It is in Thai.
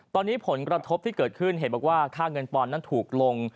ตอนนี้ผลกระทบที่เกิดขึ้นเห็นบอกว่าค่าเงินปอนด์นั้นถูกลง